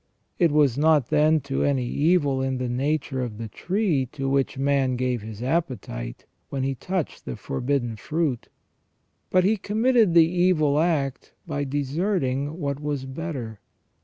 It was not, then, to any evil in the nature of the tree to which man gave his appetite, when he touched the forbidden tree, but he committed the evil act by deserting what was better.